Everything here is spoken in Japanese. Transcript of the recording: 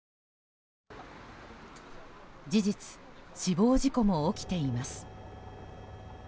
事実、死亡事故も起きています。